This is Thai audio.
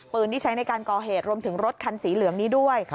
ที่ใช้ในการก่อเหตุรวมถึงรถคันสีเหลืองนี้ด้วย